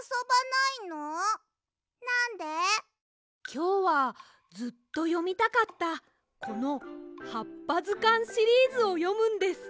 きょうはずっとよみたかったこの「はっぱずかん」シリーズをよむんです。